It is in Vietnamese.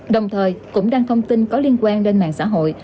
đồng thời cũng đăng thông tin có liên quan đến mạng xã hội